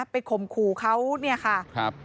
ข่มขู่เขาเนี่ยค่ะ